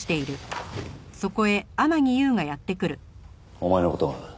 お前の事がな